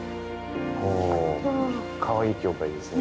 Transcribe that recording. おおかわいい教会ですね。